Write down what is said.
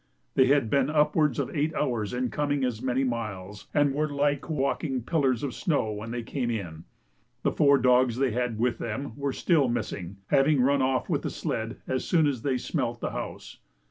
They had been upwards of eight hours in coming as many miles, and were like walking pillars of snow when they came in. The four dogs they had with them were still missing, having run off with the sled as soon as they smelt the house.